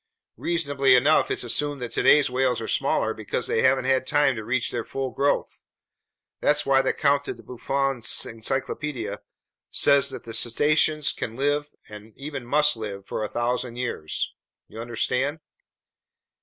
Reasonably enough, it's assumed that today's whales are smaller because they haven't had time to reach their full growth. That's why the Count de Buffon's encyclopedia says that cetaceans can live, and even must live, for a thousand years. You understand?"